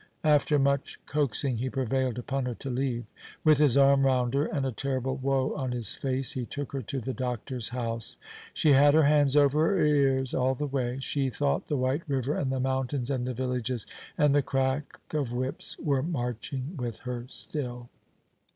After much coaxing, he prevailed upon her to leave. With his arm round her, and a terrible woe on his face, he took her to the doctor's house. She had her hands over her ears all the way. She thought the white river and the mountains and the villages and the crack of whips were marching with her still.